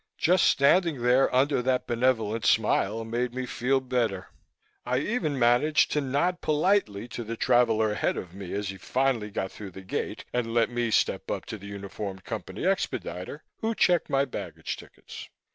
Just standing there, under that benevolent smile, made me feel better. I even managed to nod politely to the traveler ahead of me as he finally got through the gate and let me step up to the uniformed Company expediter who checked my baggage tickets.